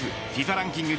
ランキング